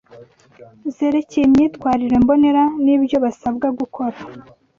zerekeye imyitwarire mbonera n’ibyo basabwa gukora.